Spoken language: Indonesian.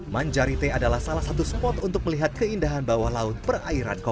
manjarite adalah salah satu spot untuk melihat keindahan bawah laut perairan